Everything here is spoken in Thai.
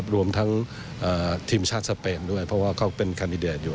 รวมทั้งทีมชาติสเปนด้วยเพราะว่าเขาเป็นแคนดิเดตอยู่